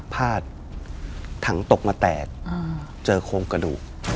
พาดถังตกมาแตกเจอโครงกระดูก